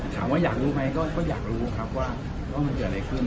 อยากรู้ไหมก็อยากรู้ครับว่ามันเกิดอะไรขึ้น